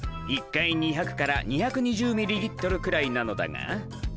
一回２００から２２０ミリリットルくらいなのだが。